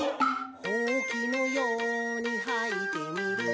「ほうきのようにはいてみる」